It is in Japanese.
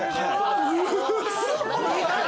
すごーい！